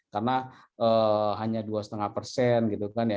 karena hanya dua lima persen gitu kan ya